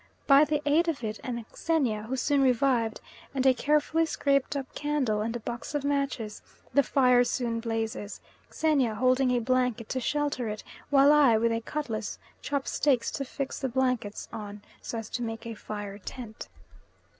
By the aid of it and Xenia, who soon revived, and a carefully scraped up candle and a box of matches, the fire soon blazes, Xenia holding a blanket to shelter it, while I, with a cutlass, chop stakes to fix the blankets on, so as to make a fire tent.